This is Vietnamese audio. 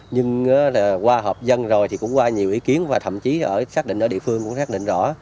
nhưng qua hợp dân rồi thì cũng qua nhiều ý kiến và thậm chí ở xác định ở địa phương cũng xác định rõ